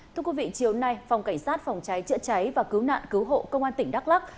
thưa quý vị chiều nay phòng cảnh sát phòng cháy chữa cháy và cứu nạn cứu hộ công an tỉnh đắk lắc